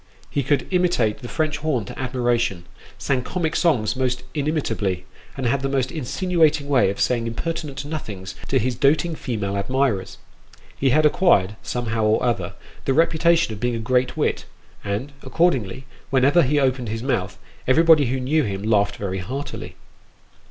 He could imitate the French horn to admiration, sang comic songs most inimitably, and had the most insinuating way 01 saying impertinent nothings to his doting female admirers. He had acquired, somehow or other, the reputation of being a great wit, and, accordingly, whenever he opened his mouth, everybody who knew him laughed very heartily.